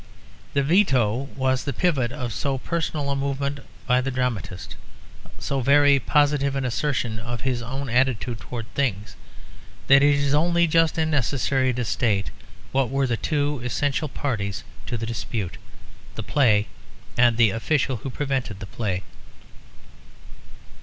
The veto was the pivot of so very personal a movement by the dramatist, of so very positive an assertion of his own attitude towards things, that it is only just and necessary to state what were the two essential parties to the dispute; the play and the official who prevented the play.